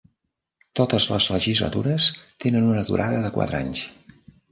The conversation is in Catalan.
Totes les legislatures tenen una durada de quatre anys.